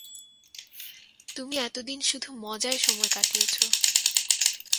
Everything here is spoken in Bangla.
তুমি এতদিন শুধু মজায় সময় কাটিয়েছ।